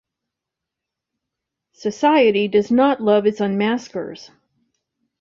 Society does not love its unmaskers.